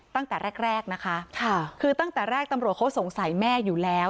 ตั้งแต่แรกแรกนะคะคือตั้งแต่แรกตำรวจเขาสงสัยแม่อยู่แล้ว